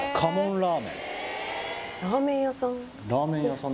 ラーメン屋さん？